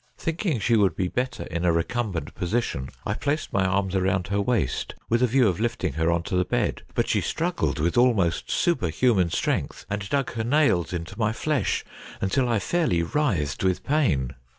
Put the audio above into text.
Thinking she would be better in a recumbent position, I placed my arms around her waist with a view of lifting her on to the bed. But she struggled with almost superhuman strength, and dug her nails into my flesh until I fairly writhed with pain.